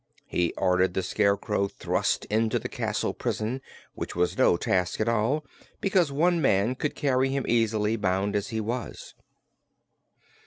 He ordered the Scarecrow thrust into the castle prison, which was no task at all because one man could carry him easily, bound as he was.